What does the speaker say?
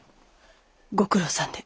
ご苦労さんで。